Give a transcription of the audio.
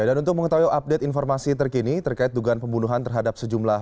dan untuk mengetahui update informasi terkini terkait dugaan pembunuhan terhadap sejumlah